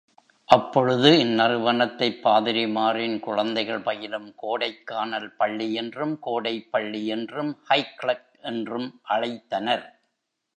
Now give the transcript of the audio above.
அப்பொழுது இந்நிறுவனத்தைப் பாதிரிமாரின் குழந்தைகள் பயிலும் கோடைக் கானல் பள்ளி என்றும், கோடைப்பள்ளி என்றும், ஹைகிளெர்க், என்றும் அழைத்தனர்.